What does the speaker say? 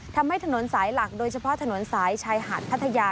ทำให้ถนนสายหลักโดยเฉพาะถนนสายชายหาดพัทยา